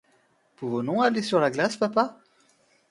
Pouvons-nous aller sur la glace, papa ?